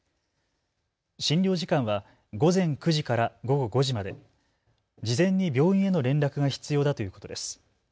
診療時間は午前９時から午後５時まで、事前に病院への連絡が必要だということです。